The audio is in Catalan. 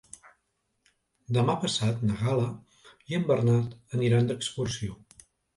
Demà passat na Gal·la i en Bernat aniran d'excursió.